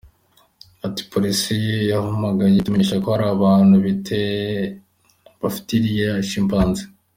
Ati “ Polisi yaduhamagaye itumenyesha ko hari abantu bafite iriya Chimpanzee.